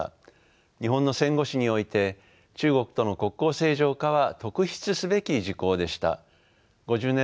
日本の戦後史において中国との国交正常化は特筆すべき事項でした。